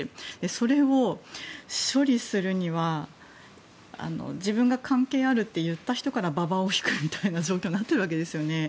それを処理するには自分が関係あると言った人からババを引くみたいな状況になってるわけですよね。